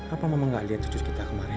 apa mama gak liat sujud kita kemarin